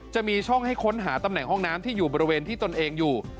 จะมีช่องให้ค้นหาตำแหน่งห้องน้ำที่อยู่บริเวณที่ตนเองอยู่